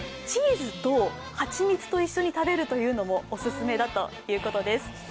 チーズと蜂蜜と一緒に食べるというのもお勧めだということです。